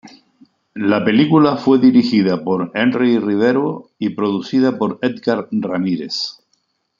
La película fue dirigida por Henry Rivero y producida por Edgar Ramírez.